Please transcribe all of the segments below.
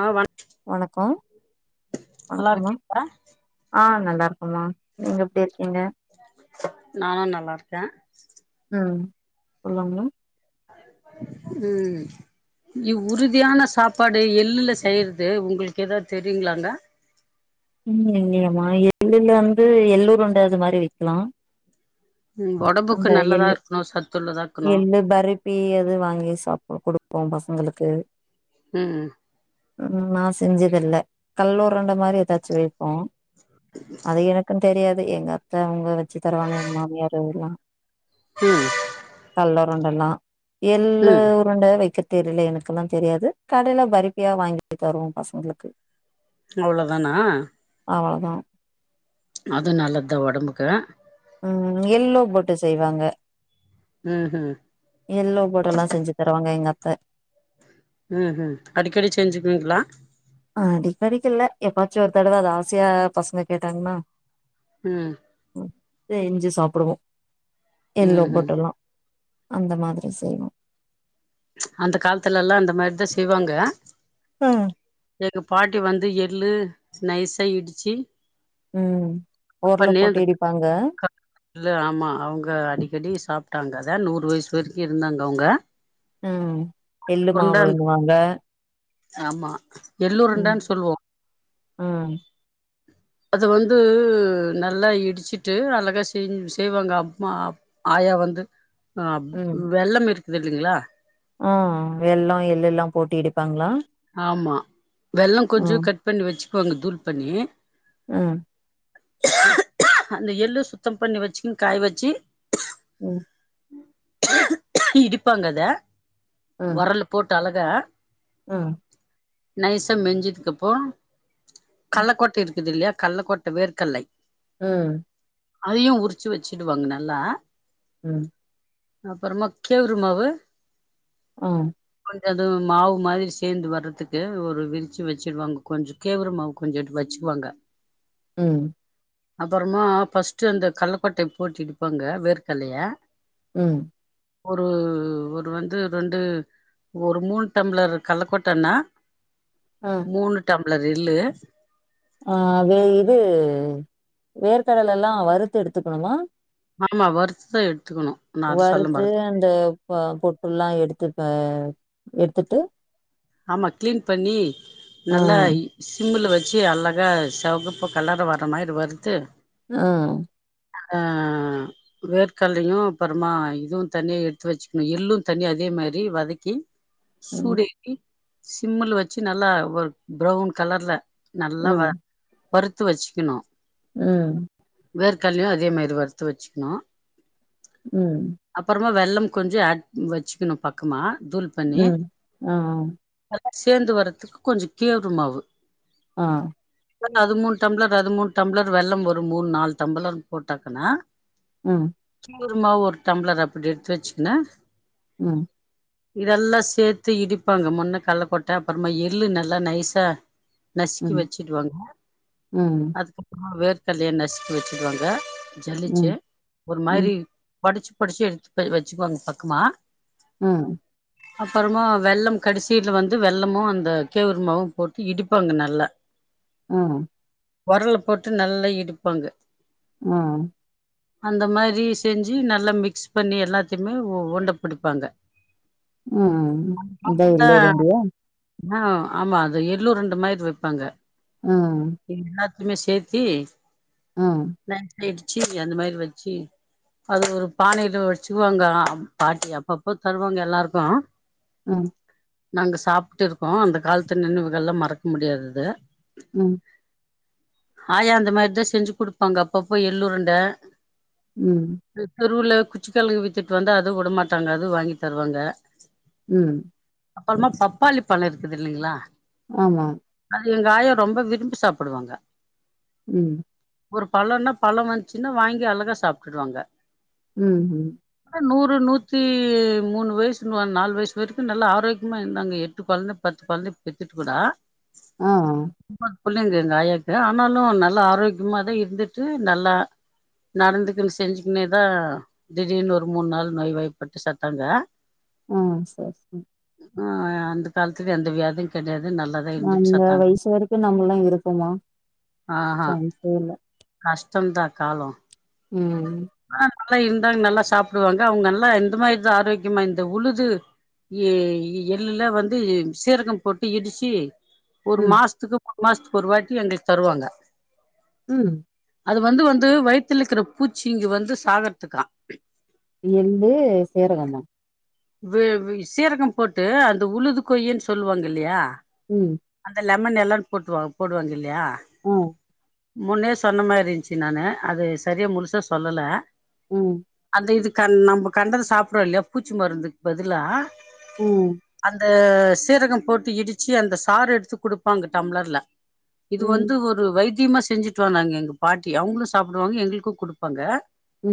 ஆ வண வணக்கம் நல்லா வணக்கம்மா இருக்கீங்களா ஆ நல்லா இருக்குமா நீங்க எப்டி இருக்கீங்க நானு நல்லா இருக்கே ம் சொல்லுங்க ம் உறுதியான சாப்பாடு எள்ளுல செய்யறது உங்களுக்கு ஏதாவது தெரியுங்களாங்க ம் இல்லையமா எள்ளுல வந்து எள்ளூர்ண்ட அது மாதிரி வைக்கலா ம் ஒடம்புக்கு அந்த நல்லதா எள்ளு இருக்கணு சத்துள்ளதா இருக்கணு எள்ளு பருப்பி அது வாங்கி சாப்படு போப்பபசங்களுக்கு ஆ ஆ ம் நான் செஞ்சது இல்ல கல்லூரண்ட மாரி ஏதாச்சு வைப்போ அது எனக்கு தெரியாது எங்க அத்த அவங்க வச்சு தருவாங்க எங்க மாமியார்லாம் ம் உருண்ட எல்லா எள்ள ம் உருண்ட வைக்க தெரில எனக்குல்லா தெரியாது கடையில பருப்பியா வாங்கி தருவோ பசங்களுக்கு அவ்ளோதானா அவ்வளோதான் அதுவு நல்லதுதான் உடம்புக்கு ம் எல்லோ போட்டு செய்வாங்க ம் ஆ எல்லோ போட்டு எல்லா செஞ்சு தருவாங்க எங்க அத்த ம் ம் அடிக்கடி செஞ்சுக்குவிங்களா அ அடிக்கடிக்கல்ல எப்பாச்சும் ஒரு தடவை அது ஆசையா பசங்க கேட்டாங்கன்னா ம் செஞ்சு சாப்டுவோ எல்லூ ம் ம் போட்டல்லா அந்த மாதிரி செய்வோ அந்த காலத்துல எல்லா அந்த மாதிரிதான் செய்வாங்க ம் எங்க பாட்டி வந்து எள்ளு நைஸா இடிச்சு ம் ஒரல ப்பண்ணே போட்டு இடிப்பாங்க அ ஆமா அவங்க அடிக்கடி சாப்ட்டாங்க அதான் நூறு வயசு வரைக்கு இருந்தாங்க அவங்க ம் எள்ளு உருண்டான் மாவுண்ணுவாங்க ஆமா எல்லூர்ண்டான்னு சொல்வோ ம் ம் அது வந்து நல்லா இடிச்சுட்டு அழகா செஞ செய்வாங்க அம்மா ஆய வந்து ஆ ம் வெள்ளம் இருக்குது இல்லைங்களா ஆ ஆ வெள்ளம் எள்ளு எல்லா போட்டு இடிப்பாங்களா ஆமா வெள்ளம் ம் கொஞ்சம் கட் பண்ணி வச்சுக்குவோங்க தூள் பண்ணி ம் அந்த எள்ளு சுத்தம் பண்ணி வச்சுக்குு காய் வச்சு ம் இடிப்பாங்கதை ம் ஓரல்ல போட்டு அழக ம் நைசா மெஞ்சுதுக்குப்போ ம் கள்ளக்கட்ட இருக்கு இருக்குது இல்லையா கல்லக்கோட்ட வேர்கல்லை உம் அதையும் உரிச்சு வச்சுடுவாங்க நல்லா உம் அப்புறமா கேவரு மாவு ஆ அதுவும் மாவு மாதிரி சேர்ந்து வர்றதுக்கு ஒரு விரிச்சி வச்சிடுவாங்க கொஞ்ச கேவிர மாவு கொஞ்சம் வச்சுக்குவாங்க உம் அப்பறமா ஃபர்ஸ்ட் அந்த கல்லக்கொட்டைய போட்டு இடுப்பாங்க வேர்க்கலைய ம் ஒரு ஒரு வந்து ரெண்டு ஒரு மூணு டம்ளர் கல்லக்கொட்டன்னா ஆ மூணு டம்ளர் எள்ளு ஆ வே இது வேர்க்கடலெல்லா வறுத்து எடுத்துக்கணுமா ஆமா வறுத்துதா எ வறுத்து அந்த ப பொட்டெல்லா எடுத்து ப எடுத்துட்டு ஆமா கிளீன் பண்ணி ஆ நல்லா சிம்ல வெச் ச்சு அழகா செகப்பு கலர் வர்ற மாரி வறுத்து ஆ ஆ வேர்க்கடலையு அப்பறமா இதுவு தனியா எடுத்து வெச்சுக்ணு எள்ளு தனியா அதே மாரி வதக்கி ம் சூடேத்தி சிம்முல வெச்சு நல்லா ஒரு ப்ரவுன் கலர்ல நல்லா வ ம் வறுத்து வெச்சுக்ணு ம் வேர்க்கடலையு அதே மாரி வறுத்து வெச்சுக்ணு ம் வெல்லம் கொஞ்சம் ஆட் வெச்சுக்கணு பக்கமா தூள் பண்ணி ம் ஆ சேந்து வர்றத்துக்கு கொஞ்ச கேவுரு மாவு ஆ அது மூணு டம்ளர் அது மூணு டம்ளர் வெல்லம் ஒரு மூணு நாலு டம்பளர் போட்டாக்குனா ம் குருமா ஒரு டம்ளர் அப்படி எடுத்து வச்சுங்கங்க ம் இதெல்லாம் சேர்த்து இடிப்பாங்க முன்ன கள்ளக்கொட்ட அப்புறமா எள்ளு நல்லா நைசா நசுக்கி ம் வச்சுடுவாங்க ம் அதுக்கப்புறமா வேர்க்கடலைய நசுக்கி வச்சுடுவாங்க சலிச்சு ம் ஒரு ம் மாதிரி படிச்சு படிச்சு எடுத்து வச்சுக்குவாங்க பக்கமா ம் அப்புறமா வெல்லம் கடைசியில வந்து வெல்லமும் அந்த கேவுருமாவும் போட்டு இடிப்பாங்க நல்ல ம் உரலை போட்டு நல்லா இடுப்பாங்க ம் அந்த மாதிரி செஞ்சு நல்லா மிக்ஸ் பண்ணி எல்லாத்தையுமே உருண்டை புடிப்பாங்க ம் அதான் எள்ளுருண்டையா ஆ ஆமா அது எள்ளுருண்ட மாரி வெப்பாங்க ம் ரெண்டுமே சேத்தி ம் [inaudible] டுச்சு அந்த மாதிரி வச்சி அது ஒரு பானையில வச்சுக்குவாங்க பாட்டி அப்பப்போ தருவாங்க எல்லாருக்கு ம் நாங்க சாப்டு இருக்கோ அந்த காலத்து நினைவுகள் எல்லா மறக்க முடியாதது ம் ஆயா அந்த மாரிதா செஞ்சு குடுப்பாங்க அப்பப்ப எள்ளுருண்ட ம் தெருவுல குச்சிக்கிழங்கு வித்துட்டு வந்தா அதுவு விடமாட்டாங்க அது வாங்கி தருவாங்க ம் அப்பறமா பப்பாளி பழ இருக்குது இல்லைங்களா ஆமா அது எங்க ஆயா ரொம்ப விரும்பி சாப்புடுவாங்க ம் ஒரு பழனா பழ வந்துச்சுன்னா வாங்கி அழகா சாப்டுடுவாங்க ம் ம் நூத்தி மூணு வயசுனுவா நாலு வயசு இப்ப வரைக்கு நல்லா ஆரோக்கியமா இருந்தாங்க எட்டு கொழந்த பத்து கொழந்தய பெத்திட்டு கூட ஆ முப்பது புள்ளைங்க எங்க ஆயாக்கு ஆனாலு நல்லா ஆரோக்கியமாதா இருந்துட்டு நல்லா நடந்துக்குன்னு செஞ்சுக்குனேதா திடீர்னு ஒரு மூண் நாள் நோய் வாய்ப்பட்டு செத்தாங்க அ சேர் சேர் ஆ அந்த காலத்துல எந்த வியாதியு கெடையாது நல்லாதான் இருந்துட்டு அந்த செத்தாங்க வயசு வரைக்கு நம்மல்லா இருக்கோமா சான்ஸே இல்ல கஷ்டந்தா காலோ ம் ஆ நல்லா இருந்தாங்க நல்லா சாப்டுவாங்க அவுங்க நல்லா இந்த மாரிதா ஆரோக்கியமா இந்த உழுது எ எள்ளல்லா வந்து சீரகம் போட்டு இடிச்சி ஒரு ம் மாசத்துக்கு மூணு மாசத்துக்கு ஒருவாட்டி எங்களுக்கு தருவாங்க ம் அது வந்து வந்து வயித்துலக்குற பூச்சி இங்க வந்து சாகறதுக்கா எள்ளு சீரகம்மா வெ சீரகம் போட்டு அந்த உழுது கொய்யின்னு சொல்லுவாங்க இல்லையா ம் [inaudible] நல்லானு போட்ருவா போடுவாங்க இல்லையா உ முன்னே சொன்ன மாரி இருன்ச்சு நானு அது சரியா முழுசா சொல்லல அ அ இது கண் நம்ம கண்டத சாப்பிடுறோ இல்லையா பூச்சி மருந்துக் பதிலா ஊ அ சீரகம் போட்டு இடிச்சி அந்த சாறு எடுத்து குடுப்பாங்க டம்ளர்ல இது ம் வந்து ஒரு வைத் தியமா செஞ்சுட்டு வந்தாங்க எங்க பாட்டி அவங்களு சாப்பிடுவாங்க எங்களுக்கு குடுப்பாங்க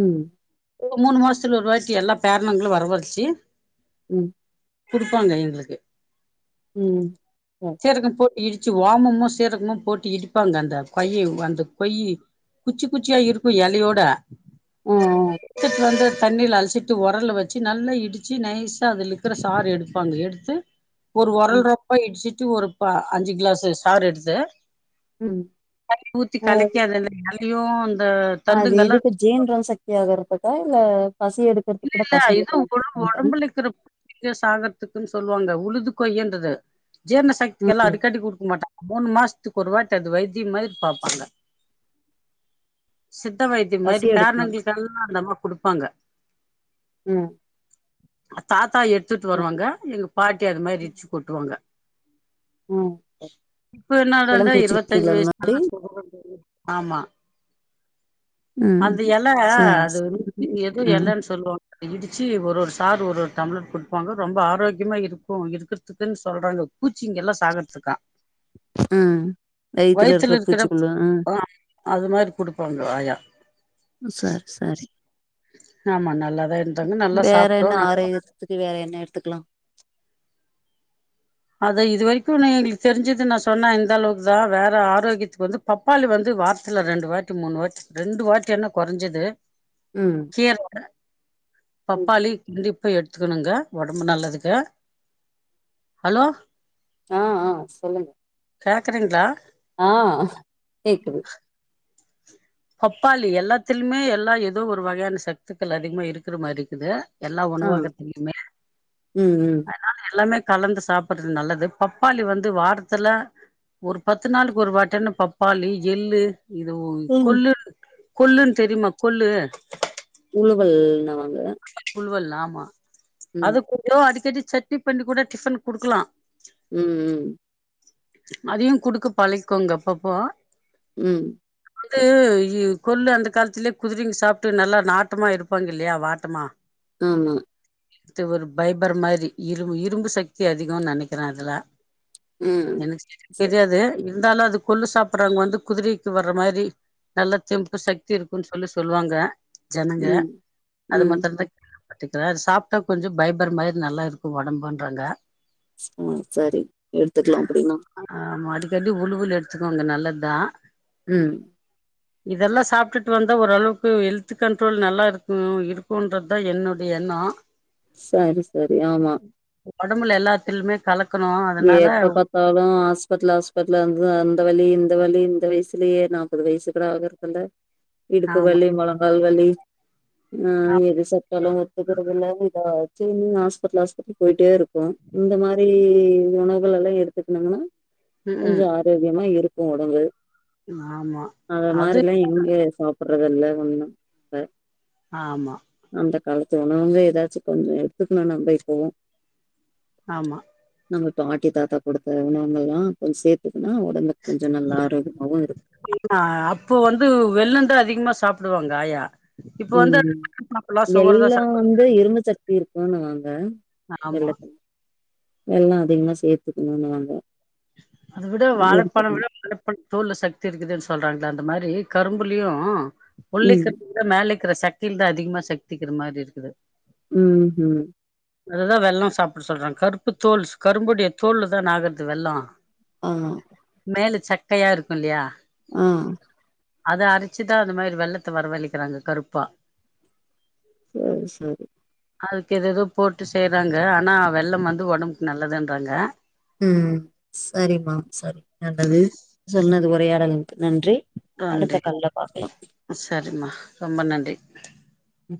ம் ஒரு மூணு மாசத்துல ஒருவாட்டி எல்லா பேரணங்களு வரவழச்சு ம் குடுப்பாங்க எங்களுக்கு ம் செர் சீரகம் போட்டு இடிச்சு ஓமமு சீரகமு போட்டு இடிப்பாங்க அந்த கொய்யு அந்த கொய்யி குச்சி குச்சியா இருக்கு எலையோட ஆ ஆ த்துட்டு வந்து தண்ணில அழசிட்டு ஒரல்ல வச்சு நல்லா இ டிச்சு நைசா அதுல இருக்கர சார் எடுப்பாங்க எடுத்து ஒரு ம் ஒரல்லப்ப இடு து ஒருப்பா அஞ்சு கிளாஸ்சு சாறு எடுத்து ம் ஊத்தி கலக்கி அது [inaudible] அ அது எதுக்கு ஜேன்றோ சக்தி ஆகரத்துக்கா இல்ல பசி எடுக்கறதுக்கு இல்ல கூட இல்ல இத பசங்களுக்கெல்லா உ குடுப்பாங்க உடம்புலக்குற ங்க சாகறதுக்குன்னு சொல்லுவாங்க உழுது கொய்ன்றது ஜீரண ம் சக்திக்கெல்லா அடிக்கடி குடுக்க மாட்டன் மூணு மாச த்துக்கொருவாட்ட அது வைத்திய மாதிரி பாப்பாங்க சித்த வைத்திய பசி மாதிரி எடுக்கணுல பேரணங்களுக்கெல்லா அந்தம்மா குடுப்பாங்க ம் தாத்தா எடுத்துட்டு ம் வருவாங்க எங்க பாட்டி அது மாதிரி இச்சு குட்டுவாங்க ம் இப்ப இதெல்லா என்னடாண்டா இருவத்தஞ்சு குடிச்சிருக்கீங்களா அது மாதிரி வயசுலல்லா ஆமா ம் அந்த எல சரி அது சரி ருச்சி எதோ ம் எலன்னு சொ சொல்லுவா இடிச்சு ஒரு ஒரு சார் ஒரு டம்லட் கொடுப்பாங்க ரொம்ப ஆரோக்கியமா இருக்கு இருக்கிறதுக்குன்னு சொல் சொல்றாங்க பூச்சிங்கல்லா சாகறதுக்கான் ம் வயித்துல வயித்தல இருக்கிற பூச்சிக்குள்ள ம் அது மாதிரி குடுப்பாங்க ஆயா சரி சரி ஆமா நல்லாதான் இருந்தாங்க நல்லா வேற என்ன சாப்ட்டோம் நாங்க ஆரோக்கியத்துக்கு வேற என்ன எடுத்துக்கலா அத இது வரைக்கும் நீ எங்களுக்கு தெரிஞ்சது நான் சொன்னா இந்தளவுக்கு தான் வேற ஆரோக்கியத்துக்கு வந்து பப்பாளி வந்து வாரத்தல ரெண்டு வாட்டி மூணு வாட்டி ரெண்டு வாட்டி என்ன கொறஞ்சது ம் கீர ம் பப்பாளி எடுத்துக்கணுங்க உடம்பு நல்லதுங்க ஹலோ ஆ ஆ சொல்லுங்க கேட்குறங்களா ஆ கேக்குது பப்பாளி எல்லாத்துலுமே எல்லா ஏதோ ஒரு வகையான சத்துக்கள் அதிகமா இருக்குற மாதிரி இருக்குது எல்லா ஆ உணவகத்திலயுமே ம் ம் கலந்து சாப்படுறது நல்லது பப்பாளி வந்து வாரத்துல ஒரு பத்து நாளுக்கு ஒரு வாட்டன்னு பப்பாளி எள்ளு இது ம் கொல்லு கொல்லுன்னு தெரியுமா கொல்லு உழுவல்ன வாங்க புல்வல் ஆமா ம் அது கொஞ்ச அடிக்கடி சட்னி பண்ணி கூட டிஃபன் குடுக்கலா ம் ம் அதையு குடுக்க பழக்கோங்க பப்பா ம் வந்து கொல்லு அந்த காலத்துலயே குதிரங்க சாப்ட்டு நல்லா நாட்டமா இருப்பாங்க இல்லயா வாட்டமா ம் ம் த்து ஒரு பைபர் மாரி இரும் இரும்பு சக்தி அதிகம்னு நினைக்கிறே அதுல ம் எனக்கு சரியா சரி தெரியாது இருந்தாலு அது கொல்லு சாப்டடுறவங்க வந்து குதிரைக்கு வர்ற மாரி நல்லா தெம்பு சக்தி இருக்கும்ன்னு சொல்லி சொல்லுவாங்க ஜனங்க ம் அது ம் மத்தரந்தான் பத்துக்கிறேன் அது சாப்பிட்டா கொஞ்சம் பைபர் மாரி நல்லா இருக்கும் ஒடம்புன்றாங்க ஆ சரி எடுத்துக்கலா அப்படின்னா ஆமா உளுவுல் எடுத்துக்கோங்க நல்லது தான் ம் இதெல்லா சாப்ட்டுட்டு வந்தா ஓரளவுக்கு ஹெல்த் கண்ட்ரோல் நல்லா இருக்கு இரு இருக்கும்ன்றதுதா என்னுடைய எண்ணம் சரி சரி ஆமா உடம்பு எல்லாத்திலுமேல கலக் எப்ப பார்த்தாலு ஹாஸ்பிடல் ஹாஸ்பிடல் அந்த வலி இந்த வலி இந்த வயசுலேயே நாற்பது வயசு கூட ஆகருதுல்ல இடுப்பு ஆமா வலி முழங்கால வலி ஆ து ச்கால ஒத்துக்கிரது இல்ல இந்த சின்ன ஹாஸ்பத்ல ஹாஸ்பத்திரி போயிட்டே இருக்கு இந்த மாரி உணவுகள்ல்ல எடுத்துக்குனங்ன்னா ம் கொஞ்சொ ம் ஆரோக்கியமா இருக்கு ஒடல் ஆமா அத அது மாரில்லா எங்க சாப்பிடுறது இல்ல கொஞ்சந்தா ஆமா இந்த காலத்து உணவுங்க எதாச்சும் கொஞ்சொ எடுத்துக்கணுனா கூட [unintelligible] ஆமா நம்ம பாட்டி தாத்தா குடுத்த உணவுங்கல்லா கொஞ்ச சேத்து இருக்கும் அ அப்போ வந்து வெல்லந்தா அதிகமா சாப்புடுவாங்க ஆயா இப்ப ம் வந்து ம் சாப்பலா சுகர் தா வெல்லோ சாப்ப வந்து இரும்பு சக்தி இருக்குன்னுவாங்க ஆமா வெல்லத்துல வெல்லொ அதிகமா சேத்துக்கணுனுவாங்க அத விட வாழைப்பழம விட வாழைப்பழ தோல்ல சக்தி இருக்குதுன்னு சொல்றாங் ல அந்த மாதிரி கரும்புலயு உள்ளை ம் [inaudible] மேலேக் க்கிற சக்கிலதா அதிகமா சக்திக்கிற மாதிரி இருக்குது. ம் ம் அதுதா வெல்லம் சாப்பிட சொல்றாங் கருப்பு தோல் கரும்புடைய தோல் தான ஆகறது வெல்லொ ஆமா சக்கையா இருக்கு இல்லயா ஆ அத அரிச்சுதா அந்த மாரி வெள்ளத்த வரவழிக்கிறாங்க கருப்பா சேரி செரி அதுக்கு எதெதோ போட்டு செய்யறாங்க ஆனா வெல்லம் வந்து ஒடம்புக்கு நல்லதுன்றாங்க. ம் சரிமா சரி நல்லது சொன்னது உரையாடலுக்கு நன்றி. அடுத்த நன்றி கால்ல பாக்கலாம் சரிம்மா ரொம்ப நன்றி ம்